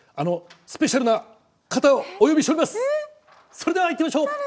それではいってみましょう。